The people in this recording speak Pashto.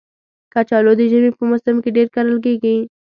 کچالو د ژمي په موسم کې ډېر کرل کېږي